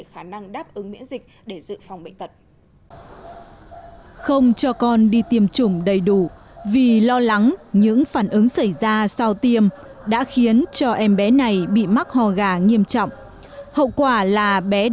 họ gà đang được điều trị đều chưa được tiêm vaccine